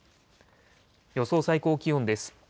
予想最高気温です。